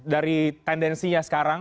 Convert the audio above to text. dari tendensinya sekarang